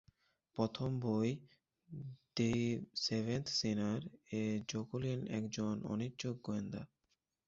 প্রথম বই "the seventh সিনার"-এ জ্যাকুলিন একজন অনিচ্ছুক গোয়েন্দা।